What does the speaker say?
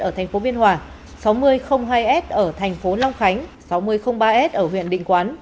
ở thành phố biên hòa sáu nghìn hai s ở thành phố long khánh sáu nghìn ba s ở huyện định quán